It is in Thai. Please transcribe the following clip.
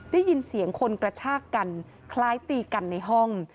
ได้ยินเสียงคนกระชากกันคล้ายตีกันในห้อง